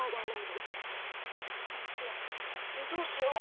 先生どうしよう？